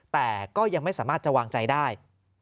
แต่ก็ยังไม่สามารถจะวางใจได้